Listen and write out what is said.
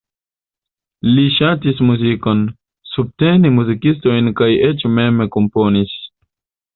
Li ŝatis muzikon, subtenis muzikistojn kaj eĉ mem komponis.